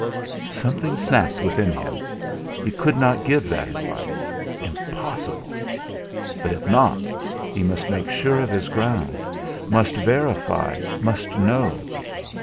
Something snapped within him. He could not give that advice. Impossible! But if not, he must make sure of his ground, must verify, must know.